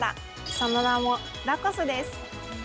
その名も、ダコスです。